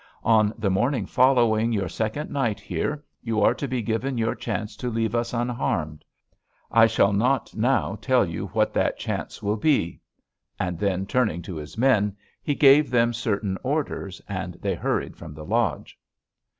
On the morning following your second night here, you are to be given your chance to leave us unharmed. I shall not now tell you what that chance will be.' And then, turning to his men, he gave them certain orders, and they hurried from the lodge.